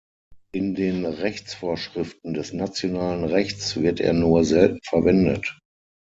In den Rechtsvorschriften des nationalen Rechts wird er nur selten verwendet.